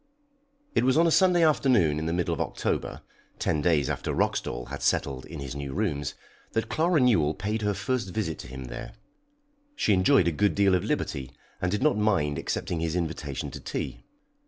It was on a Sunday afternoon in the middle of October, ten days after Roxdal had settled in his new rooms, that Clara Newell paid her first visit to him there. She enjoyed a good deal of liberty, and did not mind accepting his invitation to tea.